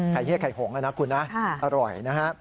เฮียไข่หงนะนะคุณนะอร่อยนะฮะ